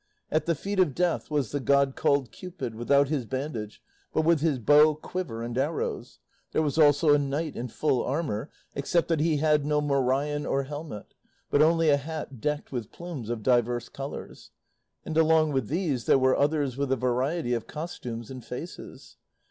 At the feet of Death was the god called Cupid, without his bandage, but with his bow, quiver, and arrows; there was also a knight in full armour, except that he had no morion or helmet, but only a hat decked with plumes of divers colours; and along with these there were others with a variety of costumes and faces.